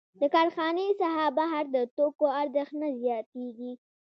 د کارخانې څخه بهر د توکو ارزښت نه زیاتېږي